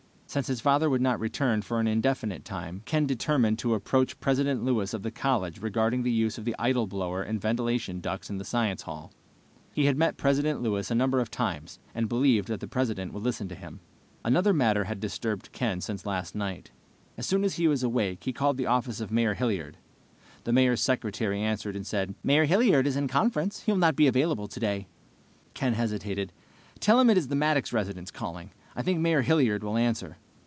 Since his father would not return for an indefinite time Ken determined to approach President Lewis of the college regarding the use of the idle blower and ventilation ducts in the Science Hall. He had met President Lewis a number of times and believed the president would listen to him. Another matter had disturbed Ken since last night. As soon as he was awake he called the office of Mayor Hilliard. The Mayor's secretary answered and said, "Mayor Hilliard is in conference. He will not be available today." Ken hesitated. "Tell him it is the Maddox residence calling. I think Mayor Hilliard will answer."